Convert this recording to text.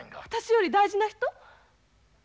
私より大事な人？